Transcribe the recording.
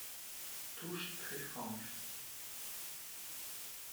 Touche très franche.